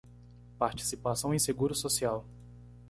Participação em seguro social